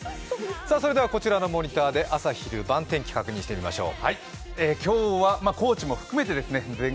こちらのモニターで朝昼晩、天気確認してみましょう。